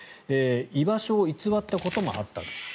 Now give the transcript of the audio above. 居場所を偽ったこともあった。